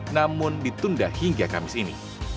namun ditunda hingga kamis ini